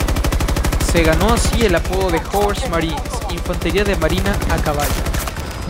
Se ganó así el apodo de ""Horse Marines"", infantería de marina a caballo.